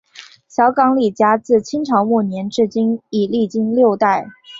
小港李家自清朝末年至今已经历六代。